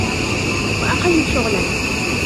وَأَقَلُّ شُغْلًا